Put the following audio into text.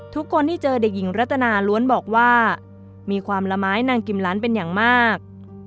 ทุกคนที่เจอเด็กหญิงรัตนาล้วนบอกว่ามีความละไม้นางกิมลันเป็นอย่างมาก